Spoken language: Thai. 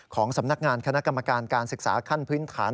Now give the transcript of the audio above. ของสำนักงานคณะกรรมการการศึกษาขั้นพื้นฐาน